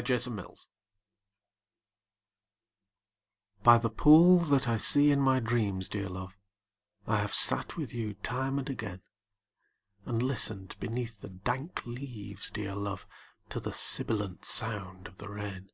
THE POOL By the pool that I see in my dreams, dear love, I have sat with you time and again; And listened beneath the dank leaves, dear love, To the sibilant sound of the rain.